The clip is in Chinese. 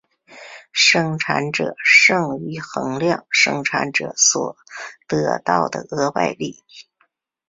生产者剩余衡量生产者所得到的额外利益。